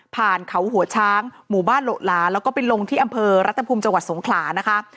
ผ่านเขาหัวช้างหมู่บ้านหละหลาแล้วก็ไปลงที่อำเภอรัฐภูมิจังหวัดสงขลานะคะ